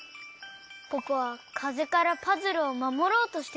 ポポはかぜからパズルをまもろうとしてくれたんですね。